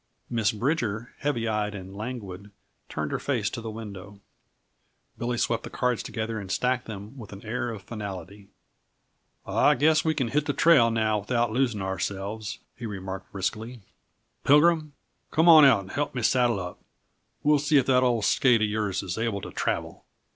Miss Bridger, heavy eyed and languid, turned her face to the window; Billy swept the cards together and stacked them with an air of finality. "I guess we can hit the trail now without losing ourselves," he remarked briskly. "Pilgrim, come on out and help me saddle up; we'll see if that old skate of yours is able to travel."